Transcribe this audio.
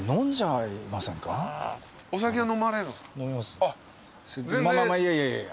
まあまあいやいやいや。